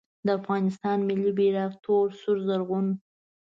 د افغانستان ملي بیرغ تور سور زرغون